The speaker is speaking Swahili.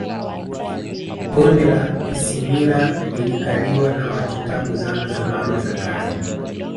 Bonde la Isimila lilikaliwa na watu tangu Zama za Mawe za Kale